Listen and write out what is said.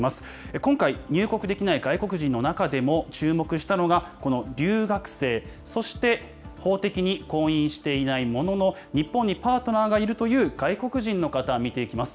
今回、入国できない外国人の中でも注目したのがこの留学生、そして法的に婚姻していないものの、日本にパートナーがいるという外国人の方、見ていきます。